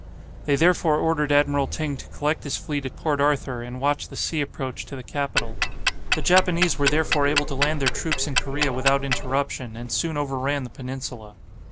They therefore ordered Admiral Ting to collect his fleet at Port Arthur, and watch the sea approach to the capital. The Japanese were therefore able to land their troops in Korea without interruption, and soon overran the peninsula.